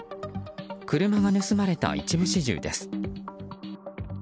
車が盗まれた一部始終です。